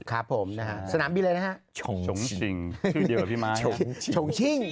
ครับผมสนามบิเลยนะฮะมีชื่อเดียวแบบพี่ม้าโชงชิ้ง